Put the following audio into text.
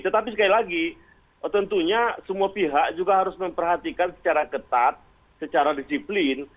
tetapi sekali lagi tentunya semua pihak juga harus memperhatikan secara ketat secara disiplin